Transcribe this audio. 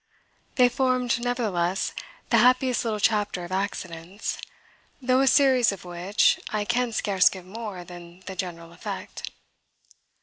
They formed, nevertheless, the happiest little chapter of accidents, though a series of which I can scarce give more than the general effect.